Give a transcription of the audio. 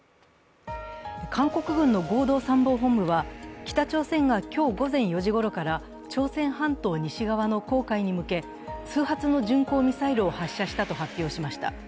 韓国軍の合同参謀本部は、北朝鮮が今日午前４時ごろから朝鮮半島西側の黄海に向け、数発の巡航ミサイルを発射したと発表しました。